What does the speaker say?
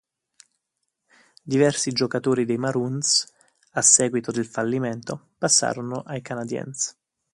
Diversi giocatori dei Maroons, a seguito del fallimento, passarono ai Canadiens.